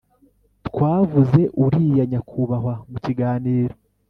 twavuze uriya nyakubahwa mu kiganiro.